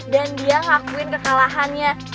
dan dia ngakuin kekalahannya